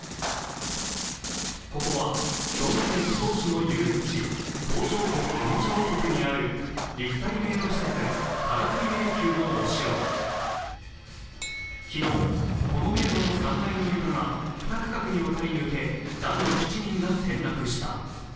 ここは兵庫県加東市の遊園地、東条湖おもちゃ王国にある立体迷路施設・カラクリ迷宮のお城昨日、この迷路の３階の床が２区画にわたり抜け男女７人が転落した。